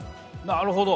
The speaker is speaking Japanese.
なるほど！